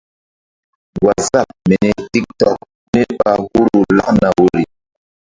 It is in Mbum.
Waazap mini tik tok mí ɓa huru lakna woyri.